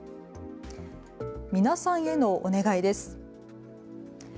皆さんへのお願いです。